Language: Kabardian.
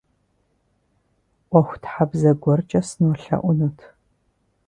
Ӏуэхутхьэбзэ гуэркӏэ сынолъэӏунут.